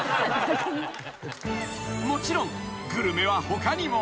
［もちろんグルメは他にも］